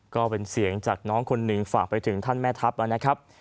ก็เป็นเสียงจากน้องคนหนึ่งฝากไปถึงท่านแม่ทัพนะครับ